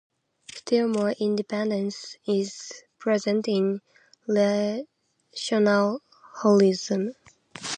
Still more independence is present in relational holism.